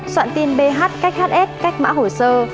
soạn tin bh cách hs cách mã hồ sơ